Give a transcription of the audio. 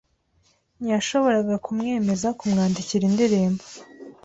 Ntiyashoboraga kumwemeza kumwandikira indirimbo.